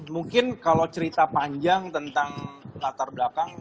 mungkin kalau cerita panjang tentang latar belakang